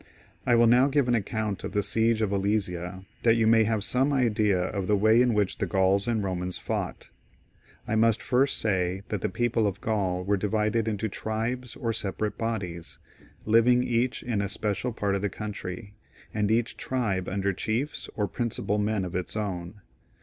I will now give an account of the siege of Alesia, that you may have some idea of the way in which the Gauls and Romans fought. I must first say that the people of Gaul were divided into tribes or separate bodies, living each iQ a special part of the country, and each tribe under chiefs or principal men of its own.